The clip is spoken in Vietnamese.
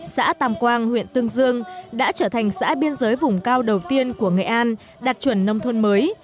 xã tàm quang huyện tương dương đã trở thành xã biên giới vùng cao đầu tiên của nghệ an đạt chuẩn nông thôn mới